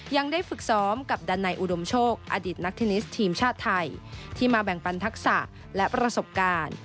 ยังได้ฝึกซ้อมกับดันในอุดมโชคอดีตนักเทนนิสทีมชาติไทยที่มาแบ่งปันทักษะและประสบการณ์